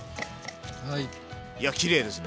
いやきれいですね！